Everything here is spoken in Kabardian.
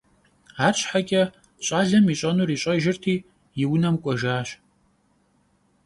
Arşheç'e ş'alem yiş'enur yiş'ejjırti, yi vunem k'uejjaş.